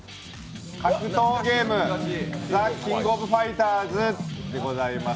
格闘ゲーム、「ザ・キング・オブ・ファイターズ」でございます。